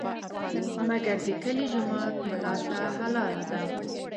مګر د کلي جومات ملا ته حلاله ده.